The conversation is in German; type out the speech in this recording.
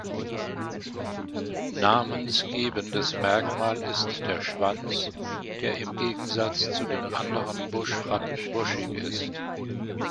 Namensgebendes Merkmal ist der Schwanz, der im Gegensatz zu den anderen Buschratten buschig ist.